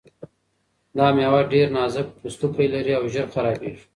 دا مېوه ډېر نازک پوستکی لري او ژر خرابیږي.